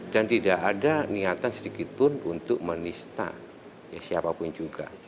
dan tidak ada niatan sedikitpun untuk menista siapapun juga